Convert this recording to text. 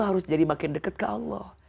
harus jadi makin dekat ke allah